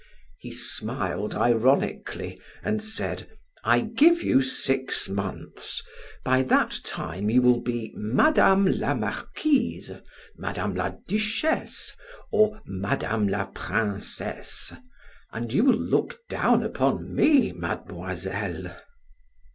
He smiled ironically and said: "I give you six months. By that time you will be Madame la Marquise, Madame la Duchesse, or Madame la Princesse, and you will look down upon me, Mademoiselle."